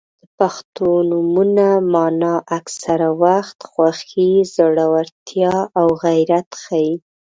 • د پښتو نومونو مانا اکثره وخت خوښي، زړورتیا او غیرت ښيي.